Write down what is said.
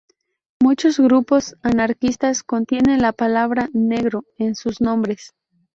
Muchos grupos anarquistas contienen la palabra "negro" en sus nombres.